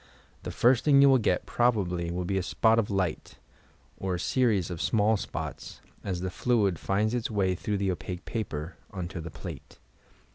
The first thing you will get, probably, will be a spot of light, or a series of small spots, as the fluid finds its way through the opaque paper, unto the plate.